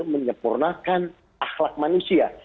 menyempurnakan akhlak manusia